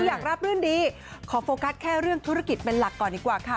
ราบรื่นดีขอโฟกัสแค่เรื่องธุรกิจเป็นหลักก่อนดีกว่าค่ะ